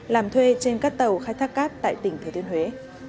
làm thuê trên các tàu khai thác cáp tại tỉnh thứ thiên huế